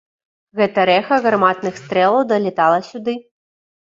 Гэта рэха гарматных стрэлаў далятала сюды.